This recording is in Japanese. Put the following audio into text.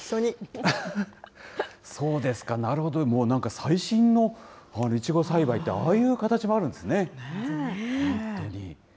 そうですか、なるほど、なんか最新のイチゴ栽培ってああいう形があるんですね、本当に。